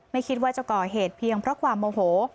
ไม่คิดว่าจะก่อเหตุเพียงเพราะความโมโห